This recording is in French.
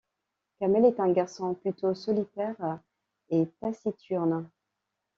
Kamel est un garçon plutôt solitaire et taciturne.